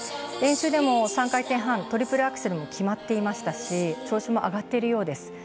練習でも３回転半トリプルアクセル決まっていましたし調子も上がっているようです。